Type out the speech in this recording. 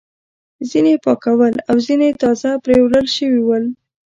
ځینې پاک ول او ځینې تازه پریولل شوي ول.